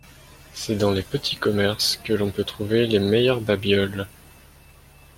C'est dans les petits commerces que l'on peut trouver les meilleurs babioles.